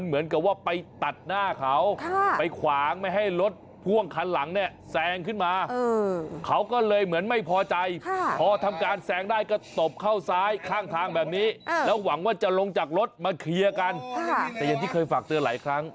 มาเคลียร์กันแต่อย่างที่เคยฝากเตือนหลายครั้ง